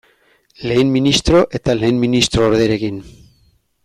Lehen ministro eta lehen ministro orderekin.